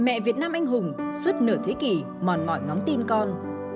mẹ việt nam anh hùng suốt nửa thế kỷ mòn mọi ngóng tin con